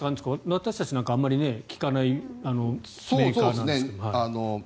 私たちはあまり聞かないメーカーなんですが。